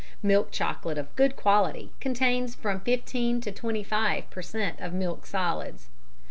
Milk chocolate of good quality contains from 15 to 25 per cent. of milk solids.